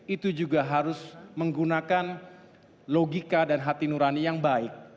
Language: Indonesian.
itu juga harus menggunakan logika dan hati nurani yang baik